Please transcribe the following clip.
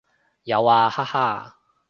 有啊，哈哈